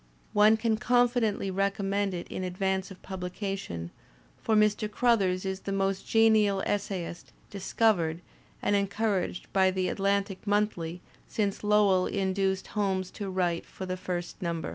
One can confidently recommend it in advance of pubUcation^ for Mr. Crothers is the most genial essayist "discovered" and encouraged by the Atlantic Monthly since Lowell induced Holmes to write for the first number.